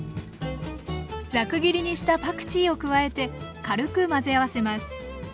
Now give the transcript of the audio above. ざく切りにしたパクチーを加えて軽く混ぜ合わせます。